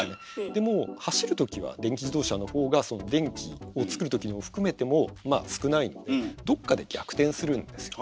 でもう走るときは電気自動車の方がその電気を作るときのを含めてもまあ少ないのでどっかで逆転するんですよ。